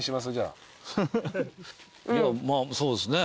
そうですね。